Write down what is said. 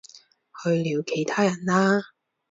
去聊其他人啦